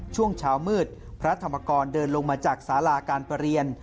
ช่วงเช้ามืดพระธรรมกรเดินลงมาจากสาราการประเรียน